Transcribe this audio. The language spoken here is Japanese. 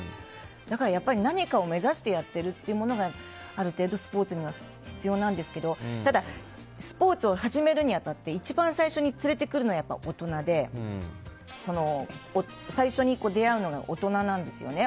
だからやっぱり何かを目指してやっているというものがある程度スポーツには必要なんですけどスポーツを始めるに当たって一番最初に連れてくるのはやっぱり大人で最初に出会うのが大人なんですよね。